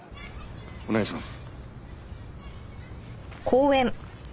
お願いします。